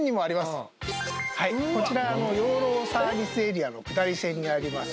こちら養老サービスエリアの下り線にあります